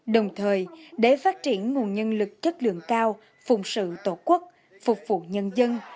đồng thời để phát triển nguồn nhân lực chất lượng cao phùng sự tổ quốc phục vụ nhân dân